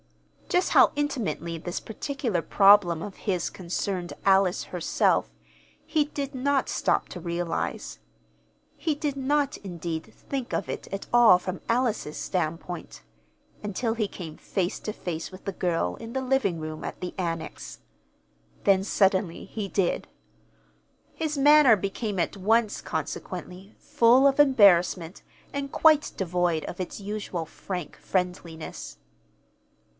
Just how intimately this particular problem of his concerned Alice herself, he did not stop to realize. He did not, indeed, think of it at all from Alice's standpoint until he came face to face with the girl in the living room at the Annex. Then, suddenly, he did. His manner became at once, consequently, full of embarrassment and quite devoid of its usual frank friendliness.